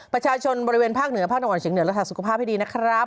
ประชาชนบริเวณภาคเหนือภาคตะวันออกเฉียรักษาสุขภาพให้ดีนะครับ